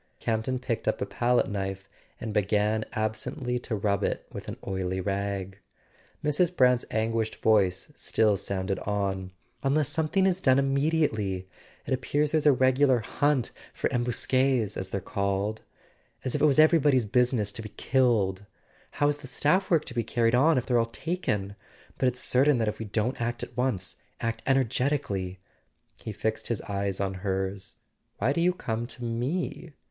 " Campton picked up a palette knife and began ab¬ sently to rub it with an oily rag. Mrs. Brant's anguished voice still sounded on. "Unless something is done im¬ mediately. .. It appears there's a regular hunt for embusquSs , as they're called. As if it was everybody's business to be killed ! How's the staff work to be carried on if they're all taken ? But it's certain that if we don't act at once ... act energetically. . He fixed his eyes on hers. "Why do you come to me?"